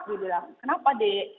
dia bilang kenapa dek